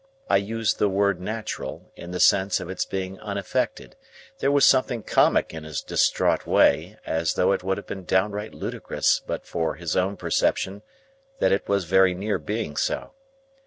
I use the word natural, in the sense of its being unaffected; there was something comic in his distraught way, as though it would have been downright ludicrous but for his own perception that it was very near being so.